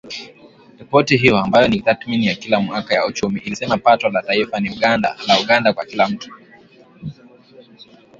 Ripoti hiyo, ambayo ni tathmini ya kila mwaka ya uchumi, ilisema pato la taifa la Uganda kwa kila mtu.